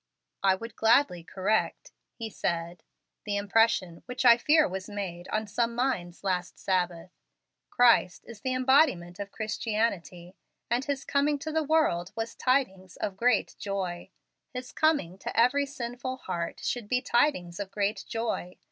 "I would gladly correct," he said, "the impression which I fear was made on some minds last Sabbath. Christ is the embodiment of Christianity, and His coming to the world was 'tidings of great joy'; His coming to every sinful heart should be 'tidings of great joy.'